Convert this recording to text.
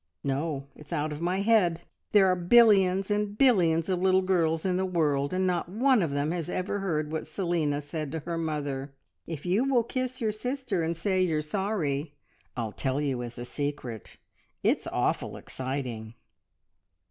"No, it's out of my head. There are billions and billions of little girls in the world, and not one of them has ever heard what Selina said to her mother. If you will kiss your sister and say you're sorry, I'll tell you as a secret. It's awful exciting!"